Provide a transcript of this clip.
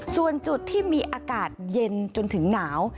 ส่วนจุดที่มีอากาศเย็นจนถึงหนาว